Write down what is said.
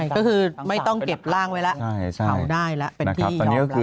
ก็คือไม่ต้องเก็บร่างไว้แล้ว